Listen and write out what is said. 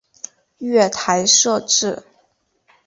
月台设置